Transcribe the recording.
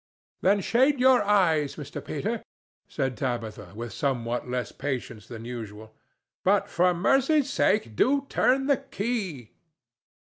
"Then shade your eyes, Mr. Peter!" said Tabitha, with somewhat less patience than usual. "But, for mercy's sake, do turn the key!"